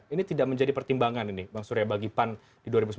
ini tidak menjadi pertimbangan ini bang surya bagi pan di dua ribu sembilan belas